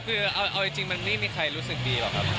คือเอาจริงมันไม่มีใครรู้สึกดีหรอกครับ